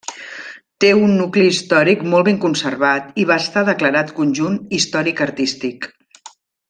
Té un nucli històric molt ben conservat i va estar declarat Conjunt Històric-Artístic.